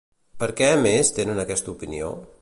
Per què més tenen aquesta opinió?